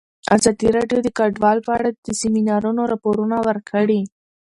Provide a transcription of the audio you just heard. ازادي راډیو د کډوال په اړه د سیمینارونو راپورونه ورکړي.